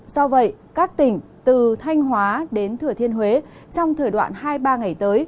do vậy các tỉnh từ thanh hóa đến thừa thiên huế trong thời đoạn hai ba ngày tới